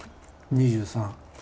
２３。